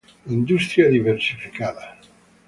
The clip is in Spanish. Industria diversificada.